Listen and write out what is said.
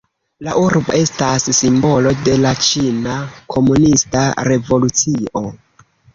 La urbo estas simbolo de la ĉina komunista revolucio.